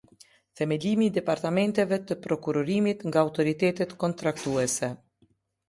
Themelimi i departamenteve të prokurimit nga autoritetet kontraktuese.